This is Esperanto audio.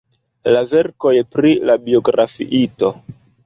la verkoj pri la biografiito.